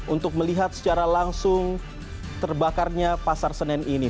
untuk melihat secara langsung terbakarnya pasar senen ini